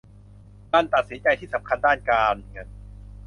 การตัดสินใจที่สำคัญด้านการเงิน